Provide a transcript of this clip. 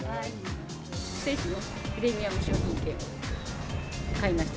筑西市のプレミアム商品券買いました。